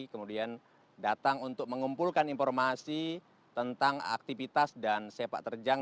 kemudian datang untuk mengumpulkan informasi tentang aktivitas dan sepak terjang